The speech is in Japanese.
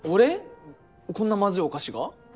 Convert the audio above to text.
こんなマズいお菓子が？